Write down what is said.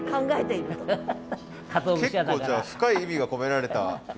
結構じゃあ深い意味が込められた。